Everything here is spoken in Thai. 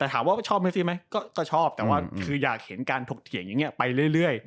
ถามว่าชอบเมสซีไหมก็ชอบแต่ว่าอยากเห็นการถกเถียงแบบนี้ไปเรื่อย